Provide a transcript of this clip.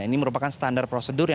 ini merupakan standar prosedur